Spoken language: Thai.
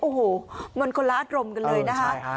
โอ้โหมนคนละอัดรมกันเลยนะฮะ